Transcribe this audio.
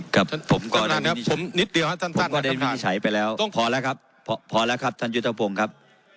ครับผมก็ได้ไม่ใช้ไปแล้วพอแล้วครับพอแล้วครับท่านยุธพงศ์ครับ